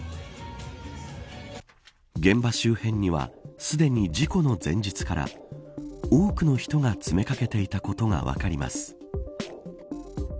現場周辺にはすでに事故の前日から多くの人が詰めかけていたことが分かります。